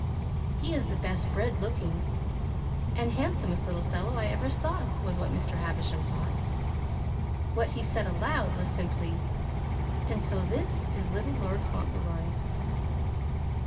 "He is the best bred looking and handsomest little fellow I ever saw," was what Mr. Havisham thought. What he said aloud was simply, "And so this is little Lord Fauntleroy."